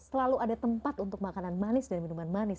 selalu ada tempat untuk makanan manis dan minuman manis